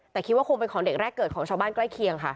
แต่คิดว่าคงเป็นของเด็กแรกเกิดของชาวบ้านใกล้เคียงค่ะ